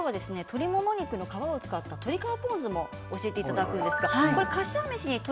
今日、鶏もも肉の皮を使った鶏皮ポン酢も教えていただきます。